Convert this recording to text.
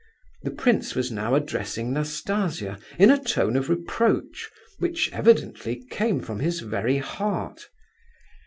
The prince was now addressing Nastasia, in a tone of reproach, which evidently came from his very heart.